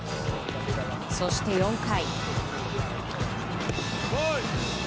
そして、４回。